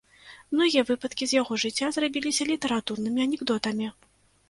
Многія выпадкі з яго жыцця зрабіліся літаратурнымі анекдотамі.